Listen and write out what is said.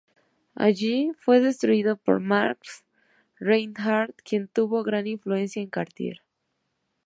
Allí fue instruido por Max Reinhardt, quien tuvo gran influencia en Cartier.